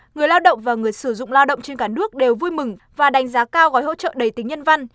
người lao động và người sử dụng lao động trên cả nước đều vui mừng và đánh giá cao gói hỗ trợ đầy tính nhân văn